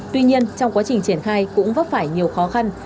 tuy nhiên trong quá trình triển khai cũng vấp phải nhiều khó khăn